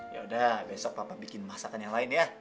yaudah besok papa bikin masakan yang lain ya